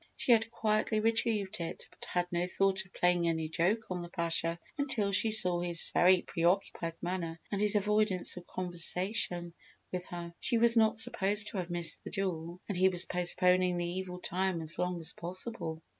She had quietly retrieved it but had no thought of playing any joke on the Pasha until she saw his very preoccupied manner and his avoidance of conversation with her. She was not supposed to have missed the jewel and he was postponing the evil time as long as possible.